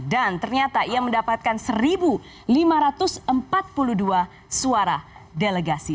dan ternyata ia mendapatkan satu lima ratus empat puluh dua suara delegasi